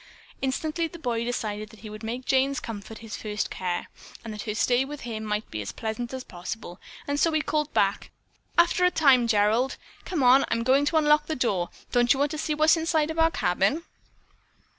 Instantly the boy decided that he would make Jane's comfort his first care, that her stay with him might be as pleasant as possible, and so he called back: "After a time, Gerald. Come on; I'm going to unlock the door. Don't you want to see what's on the inside of our cabin?"